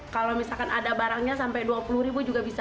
kalau misalkan ada barangnya sampai dua puluh ribu juga bisa